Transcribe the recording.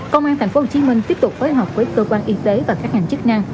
công an tp hcm tiếp tục phối hợp với cơ quan y tế và các ngành chức năng